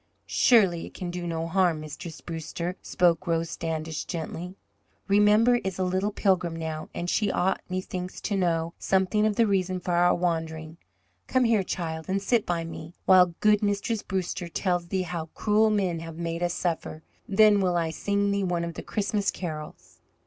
"Surely it can do no harm, Mistress Brewster," spoke Rose Standish, gently. "Remember is a little Pilgrim now, and she ought, methinks, to know something of the reason for our wandering. Come here, child, and sit by me, while good Mistress Brewster tells thee how cruel men have made us suffer. Then will I sing thee one of the Christmas carols."